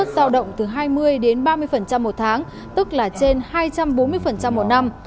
giao động từ hai mươi đến ba mươi một tháng tức là trên hai trăm bốn mươi một năm